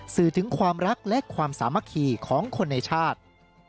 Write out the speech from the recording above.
สื่อถึงความรักและความสามัคคีของคนในชาติ